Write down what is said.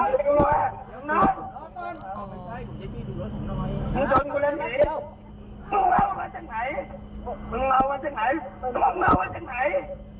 มึงจนกูเล่นเฮละ